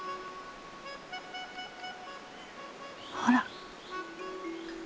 ほら。